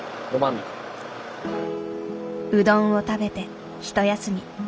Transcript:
うどんを食べてひと休み。